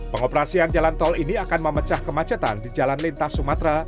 pengoperasian jalan tol ini akan memecah kemacetan di jalan lintas sumatera